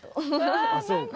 あそうか。